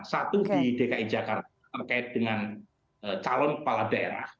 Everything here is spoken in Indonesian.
satu di dki jakarta terkait dengan calon kepala daerah